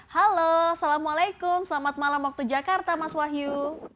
halo assalamualaikum selamat malam waktu jakarta mas wahyu